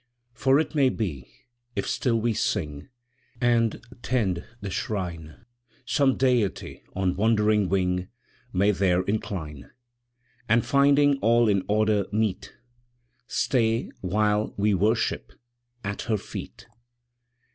"For it may be, if still we sing And tend the Shrine, Some Deity on wandering wing May there incline; And, finding all in order meet, Stay while we worship at Her feet."